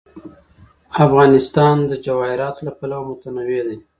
افغانستان د جواهرات له پلوه متنوع دی.